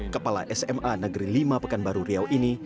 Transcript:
kepala sma negeri lima pekanbaru riau ini